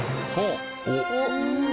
おっ。